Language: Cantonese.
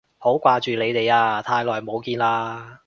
好掛住你哋啊，太耐冇見喇